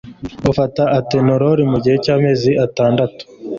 ufata Atenolol mu gihe cy'amezi atandatu